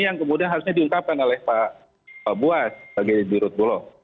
yang kemudian harusnya diungkapkan oleh pak buas sebagai dirut bulog